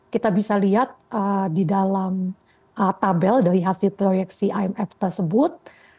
kita bisa lihat di dalam tabel dari hasil proyeksi imf tersebut